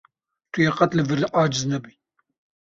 Tu yê qet li vir aciz nebî.